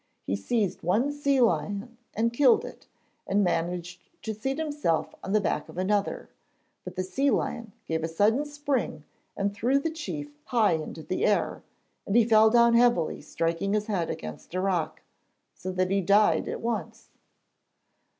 He seized one sea lion and killed it, and managed to seat himself on the back of another; but the sea lion gave a sudden spring and threw the chief high into the air, and he fell down heavily striking his head against a rock, so that he died at once.